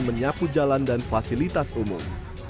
menyapu jalan dan fasilitas umum